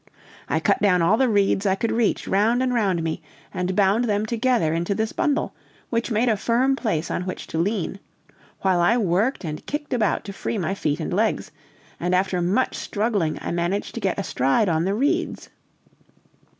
I cut down all the reeds I could reach round and round me, and bound them together into this bundle, which made a firm place on which to lean, while I worked and kicked about to free my feet and legs, and after much struggling, I managed to get astride on the reeds.